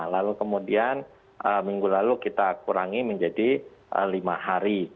lalu kemudian minggu lalu kita kurangi menjadi lima hari